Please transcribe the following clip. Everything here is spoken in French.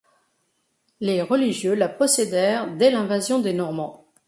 Les religieux la possédèrent dès l'invasion des Normands.